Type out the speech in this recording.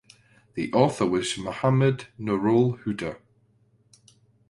The author was Mohammad Nurul Huda.